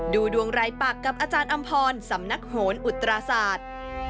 ดูดวงรายปากกับอาจารย์อำพรสำนักโหนอุตราศาสตร์